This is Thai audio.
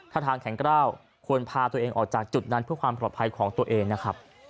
ถ้าทางแข็งกล้าวควรพาตัวเองออกจากจุดนั้นเพื่อความปลอดภัยของตัวเองนะครับ